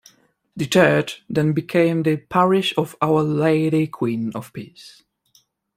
The church then became the Parish of Our Lady Queen of Peace.